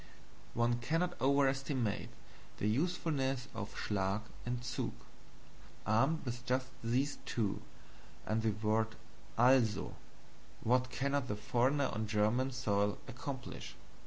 One cannot overestimate the usefulness of SCHLAG and ZUG. Armed just with these two, and the word ALSO, what cannot the foreigner on German soil accomplish?